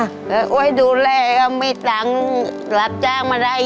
ไอ่ดูแลเลยไม่สั่งหลับจ้างมาได้